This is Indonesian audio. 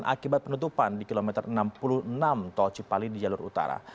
akibat penutupan di kilometer enam puluh enam tol cipali di jalur utara